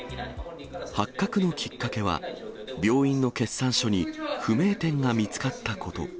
発覚のきっかけは、病院の決算書に不明点が見つかったこと。